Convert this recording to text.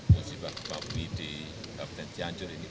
musibah kebabwi di kabupaten cianjur ini